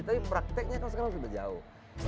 tapi prakteknya kan sekarang sudah jauh